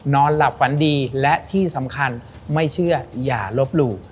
นอนหลับฝันดีและที่สำคัญไม่เชื่ออย่าลบหลู่